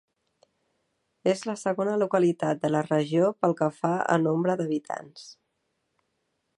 És la segona localitat de la regió pel que fa a nombre d'habitants.